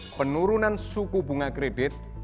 penurunan suku bunga kredit